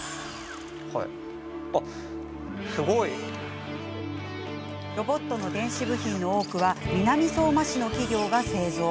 あ、すごい！ロボットの電子部品の多くは南相馬市の企業が製造。